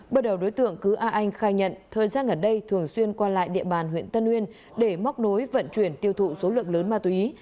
bởi đầu đối tượng cứ a anh khai nhận thời gian ngần đây thường xuyên qua lại địa bàn huyện tân nguyên để móc đối vận chuyển tiêu thụ số lượng lớn bà túy